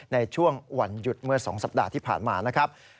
ในช่วงวันหยุดเมื่อ๒สัปดาห์ที่ผ่านมานะครับ